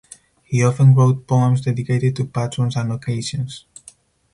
He often wrote poems dedicated to patrons and occasions.